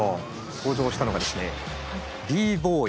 登場したのがですねＢＢＯＹ。